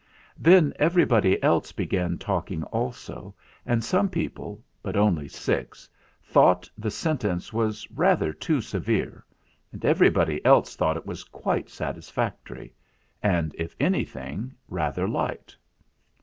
Then everybody else began talking also ; and some people, but only six, thought the sen tence was rather too severe, and everybody else thought it was quite satisfactory, and, if anything, rather light.